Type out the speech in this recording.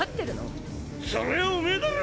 そりゃおめぇだろ！